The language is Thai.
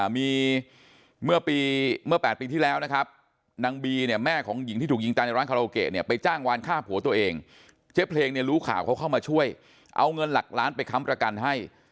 เจ๊เพลงรู้ข่าวเขาเข้ามาช่วยเอาเงินหลักล้านไปค้ำประกันให้